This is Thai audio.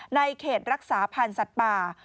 เขตรักษาพันธ์สัตว์ป่า